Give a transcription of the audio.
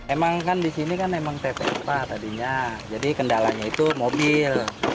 emang kan disini kan emang tp empat tadinya jadi kendalanya itu mobil